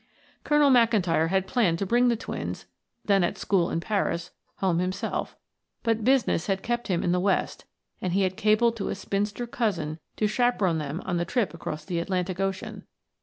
Colonel McIntyre had planned to bring the twins, then at school in Paris, home himself, but business had kept him in the West and he had cabled to a spinster cousin to chaperon them on the trip across the Atlantic Ocean.